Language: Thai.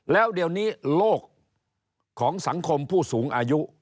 แล้วเดี๋ยวนี้โลกของสังคมผู้สูงอายุ